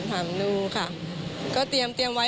ถามดูค่ะก็เตรียมไว้